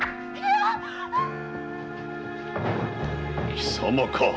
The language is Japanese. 貴様か。